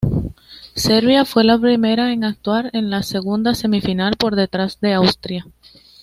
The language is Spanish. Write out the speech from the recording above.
Serbia fue la primera en actuar en la segunda semifinal por detrás de Austria.